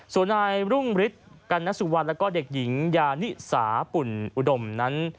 ส่วนนายรุ่งฤทธิ์กัณสุวรรณแล้วก็เด็กหญิงยานิสาปุ่นอุดมนั้น